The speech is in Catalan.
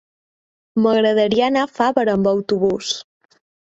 M'agradaria anar a Favara amb autobús.